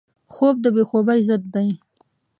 خوب د بې خوبۍ ضد دی